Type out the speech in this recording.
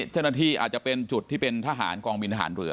อาจจะเป็นจุดที่เป็นทหารกองบินทหารเรือ